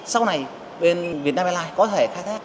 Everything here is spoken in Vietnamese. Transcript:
sau này bên vietnam airlines có thể khai thác